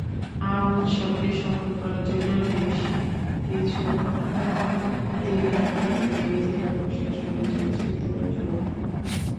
আম উৎসবকে সফল করার জন্য বেশ কিছুদিন থেকেই জেলা প্রশাসনে চলছে তোড়জোড়।